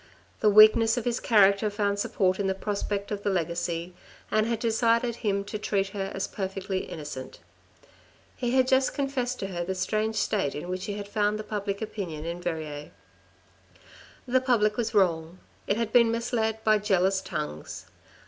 The weakness of his character found support in the prospect of the legacy, and had decided him to treat her as perfectly innocent. He had just confessed to her the strange state in which he had found public opinion in Verrieres. The public was wrong ; it had been misled by jealous tongues.